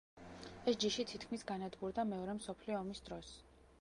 ეს ჯიში თითქმის განადგურდა მეორე მსოფლიო ომის დროს.